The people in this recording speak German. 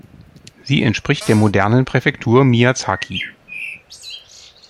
Sie entspricht der modernen Präfektur Miyazaki.